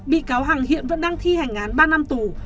bị cáo hằng hiện vẫn đang thi hành án ba năm tù